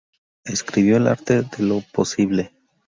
Escribió "El Arte de lo posible.